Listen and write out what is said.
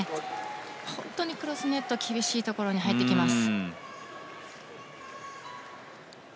本当にクロスネット厳しいところに入ってきます。